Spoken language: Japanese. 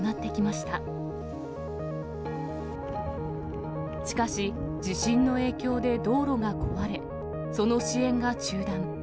しかし、地震の影響で道路が壊れ、その支援が中断。